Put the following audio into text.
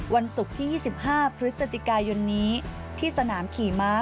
วันศุกร์ที่๒๕พฤศจิกายนนี้ที่สนามขี่ม้า